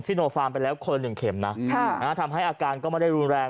สิโนฟารมมันไปแล้วคนอย่างเขมนะทำให้อาการไม่ได้รุนแรง